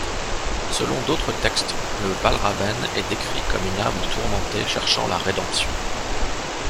Selon d'autres textes, le valraven est décrit comme une âme tourmentée cherchant la rédemption.